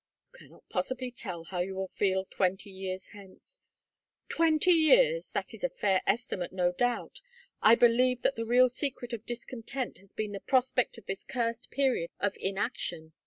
"You cannot possibly tell how you will feel twenty years hence " "Twenty years! That is a fair estimate, no doubt! I believe that the real secret of discontent has been the prospect of this cursed period of inaction.